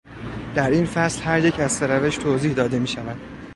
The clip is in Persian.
در این فصل هر یک از سه روش توضیح داده میشود.